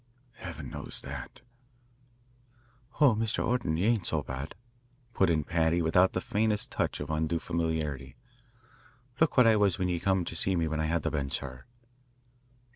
Heaven knows that " "Oh, Mr. Orton, you ain't so bad," put in Paddy without the faintest touch of undue familiarity. "Look what I was when ye come to see me when I had the bends, sir."